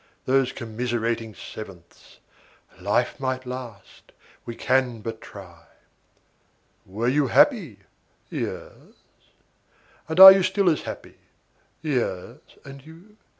°20 Those commiserating sevenths° "Life might last! we can but try!" °21 "Were you happy?" "Yes." "And are you still as happy?" "Yes. And you?"